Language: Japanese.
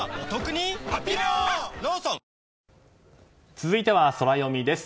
続いてはソラよみです。